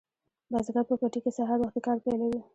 بزګر په پټي کې سهار وختي کار پیلوي.